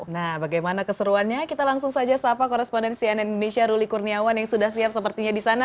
nah bagaimana keseruannya kita langsung saja sapa korespondensi nn indonesia ruli kurniawan yang sudah siap sepertinya di sana